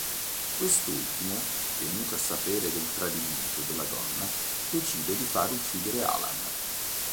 Quest'ultimo, venuto a sapere del tradimento della donna, decide di far uccidere Alan.